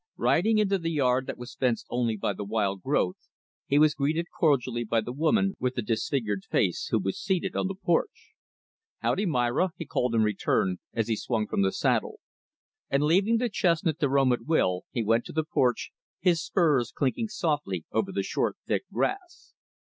Riding into the yard that was fenced only by the wild growth, he was greeted cordially by the woman with the disfigured face, who was seated on the porch. "Howdy, Myra," he called in return, as he swung from the saddle; and leaving the chestnut to roam at will, he went to the porch, his spurs clinking softly over the short, thick grass.